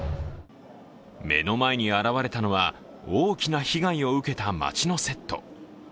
目の前に現れたのは、大きな被害を受けた街のセット。